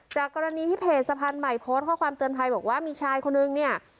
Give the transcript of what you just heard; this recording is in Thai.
จากกรณีที่เพจสะพานใหม่โพสต์ข้อความเตือนภัยบอกว่ามีชายคนนึงเนี่ย